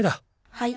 はい。